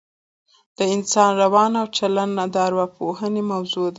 د انسان روان او چلن د اوراپوهنې موضوع ده